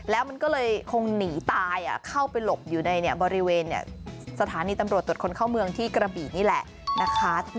แล้วมันก็เลยคงหนีตายเข้าไปหลบอยู่ในบริเวณสถานีตำรวจตรวจคนเข้าเมืองที่กระบีนี่แหละนะคะ